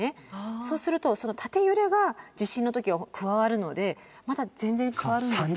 そうするとその縦揺れが地震の時は加わるのでまた全然変わるんですね。